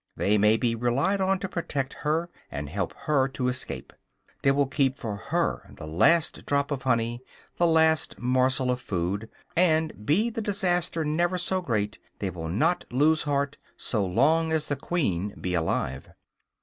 They may be relied on to protect her, and help her to escape; they will keep for her the last drop of honey, the last morsel of food. And be the disaster never so great, they will not lose heart so long as the queen be alive.